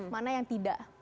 mana yang tidak